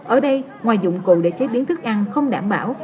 ở đây ngoài dụng cụ để chế biến thức ăn không đảm bảo